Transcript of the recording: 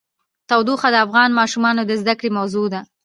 تودوخه د افغان ماشومانو د زده کړې موضوع ده.